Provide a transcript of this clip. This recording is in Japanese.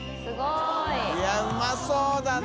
いやうまそうだな！